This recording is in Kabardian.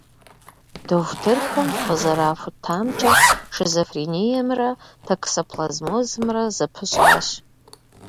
Дохутырхэм къызэрахутамкӏэ, шизофрениемрэ токсоплазмозымрэ зэпыщӏащ.